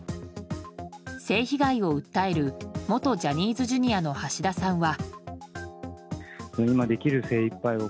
性被害を訴える元ジャニーズＪｒ．の橋田さんは。